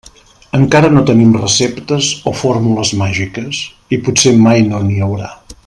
Encara no tenim receptes o fórmules màgiques, i potser mai no n'hi haurà.